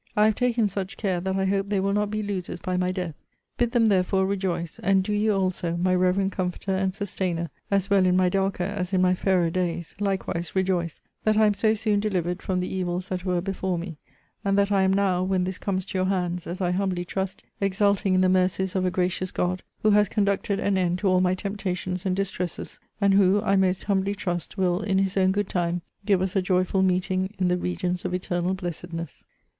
I have taken such care, that I hope they will not be losers by my death. Bid them, therefore, rejoice; and do you also, my reverend comforter and sustainer, (as well in my darker as in my fairer days,) likewise rejoice, that I am so soon delivered from the evils that were before me; and that I am NOW, when this comes to your hands, as I humbly trust, exulting in the mercies of a gracious God, who has conducted an end to all my temptations and distresses; and who, I most humbly trust, will, in his own good time, give us a joyful meeting in the regions of eternal blessedness.